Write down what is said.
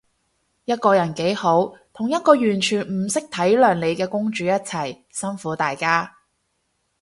一個人幾好，同一個完全唔識體諒你嘅公主一齊，辛苦大家